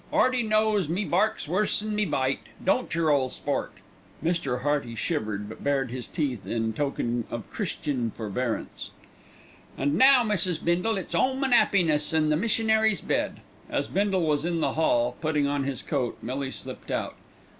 'Earty knows me bark's worse'n me bite, don't yer, ole sport?" Mr. Hearty shivered, but bared his teeth in token of Christian forbearance. "An' now, Mrs. Bindle, it's 'ome and 'appiness and the missionary's bed." As Bindle was in the hall, putting on his coat, Millie slipped out.